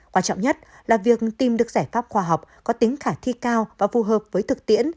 quan trọng nhất là việc tìm được giải pháp khoa học có tính khả thi cao và phù hợp với thực tiễn